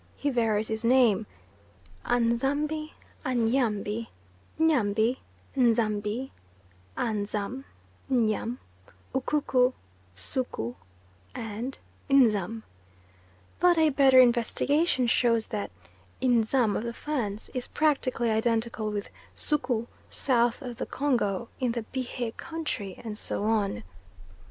He varies his name: Anzambi, Anyambi, Nyambi, Nzambi, Anzam, Nyam, Ukuku, Suku, and Nzam, but a better investigation shows that Nzam of the Fans is practically identical with Suku south of the Congo in the Bihe country, and so on.